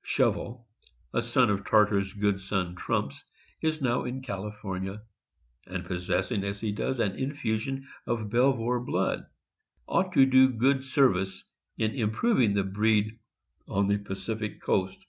Shovel, a son of Tartar's good son Trumps, is now in California, and possessing, as he does, an infusion of Belvoir blood, ought to do good service in improving the breed on the Pacific Coast.